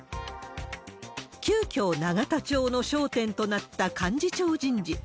急きょ、永田町の焦点となった幹事長人事。